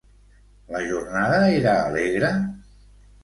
La jornada era alegre?